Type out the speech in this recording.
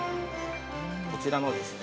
◆こちらのですね。